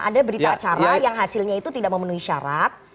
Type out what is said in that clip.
ada berita acara yang hasilnya itu tidak memenuhi syarat